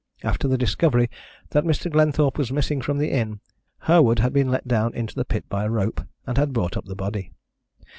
After the discovery that Mr. Glenthorpe was missing from the inn, Herward had been let down into the pit by a rope, and had brought up the body.